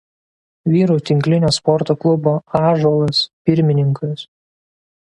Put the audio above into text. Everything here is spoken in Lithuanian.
Vyrų tinklinio sporto klubo "Ąžuolas" pirmininkas.